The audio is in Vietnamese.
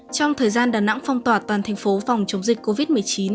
trong thời gian đà nẵng phong tỏa toàn thành phố phòng chống dịch covid một mươi chín